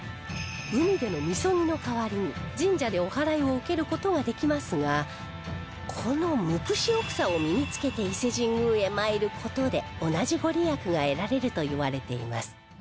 海でのみそぎの代わりに神社でお祓いを受ける事ができますがこの無垢塩草を身につけて伊勢神宮へ参る事で同じご利益が得られるといわれています